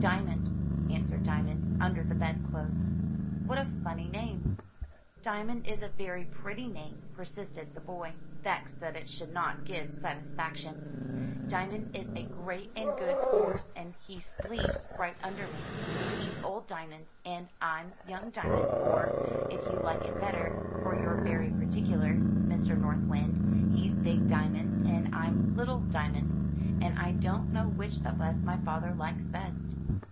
''Diamond,'' answered Diamond, under the bedclothes. "What a funny name!" "Diamond is a very pretty name," persisted the boy, vexed that it should not give satisfaction. "Diamond is a great and good horse ; and he sleeps right under me. He's Old Diamond, and I'm Young Diamond; or, if you like it better, for you're very particular, Mr. North Wind, he's Big Diamond, and I'm Little Diamond; and I don't know which of us my father likes best."